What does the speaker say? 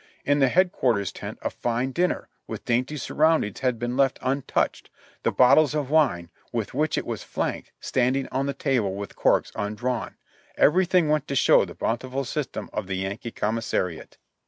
In the headquarter's tent, a fine dinner, with dainty surroundings, had been left untouched, the bottles of wine, with which it was flanked, standing on the table with corks un drawn. Everything went to show the bountiful system of the Yankee commissariat."